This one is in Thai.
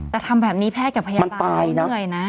แต่ทำแบบนี้แพทย์กับพยาบาลไม่เหนื่อยนะ